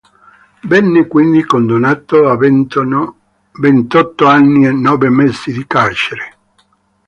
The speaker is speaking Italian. Venne quindi condannato a ventotto anni e nove mesi di carcere.